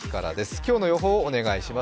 今日の予報をお願いします。